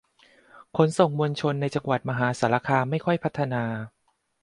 ขนส่งมวลชนในจังหวัดมหาสารคามไม่ค่อยพัฒนา